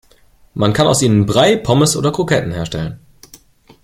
Man kann aus ihnen Brei, Pommes oder Kroketten herstellen.